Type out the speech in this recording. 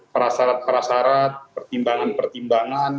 para syarat syarat pertimbangan pertimbangan